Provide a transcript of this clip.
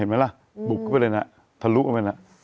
เห็นไหมละกุกไปเลยน่ะถลุกเข้าไปเลยน่ะ